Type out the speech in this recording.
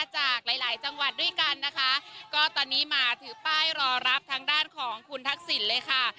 จากหลายหลายจังหวัดด้วยกันนะคะก็ตอนนี้มาถือป้ายรอรับทางด้านของคุณทักษิณเลยค่ะ